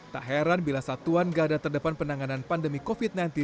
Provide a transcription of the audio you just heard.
tak heran bila satuan gada terdepan penanganan pandemi covid sembilan belas